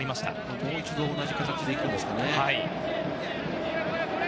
もう一度同じ形で行きますかね。